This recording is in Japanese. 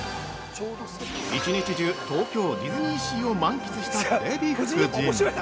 ◆１日中東京ディズニーシーを満喫したデヴィ夫人。